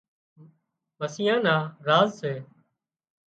مسيان نا زاۯ سي